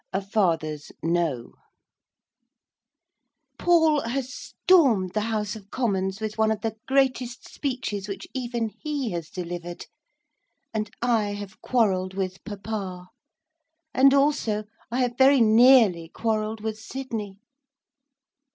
A FATHER'S NO Paul has stormed the House of Commons with one of the greatest speeches which even he has delivered, and I have quarrelled with papa. And, also, I have very nearly quarrelled with Sydney.